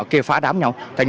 kìa phá đám nhau